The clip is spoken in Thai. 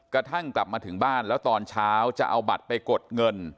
กระทั่งกลับมาถึงบ้านแล้วตอนเช้าจะเอาบัตรไปกดเงิน